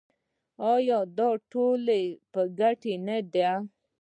آیا دا د ټولو په ګټه نه ده؟